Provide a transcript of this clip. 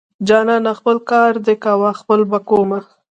جانانه خپل کار دې کوه خپل به کوومه.